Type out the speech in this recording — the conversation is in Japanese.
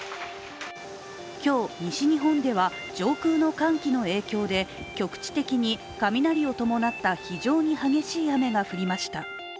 今日、西日本では上空の寒気の影響で局地的に雷を伴った非常に激しい雨が降りました。